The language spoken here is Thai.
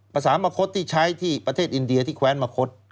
สามมะคดที่ใช้ที่ประเทศอินเดียที่แควนมะคด